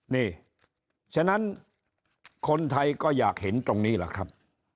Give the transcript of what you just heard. นี่ฉะนั้นคนไทยก็อยากเห็นตรงนี้แหละครับ